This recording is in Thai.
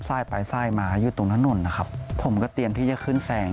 ไปซ้ายมาอยู่ตรงถนนนะครับผมก็เตรียมที่จะขึ้นแซง